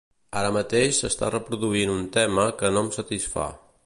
Ara mateix s'està reproduint un tema que no em satisfà.